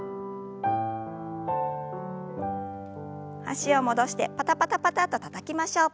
脚を戻してパタパタパタとたたきましょう。